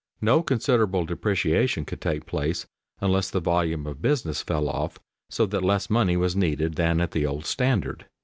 No considerable depreciation could take place unless the volume of business fell off so that less money was needed than at the old standard.